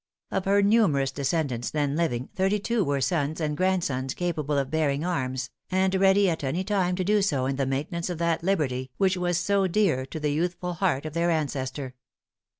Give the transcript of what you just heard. Of her numerous descendants then living, thirty two were sons and grandsons capable of bearing arms, and ready at any time to do so in the maintenance of that liberty which was so dear to the youthful heart of their ancestor.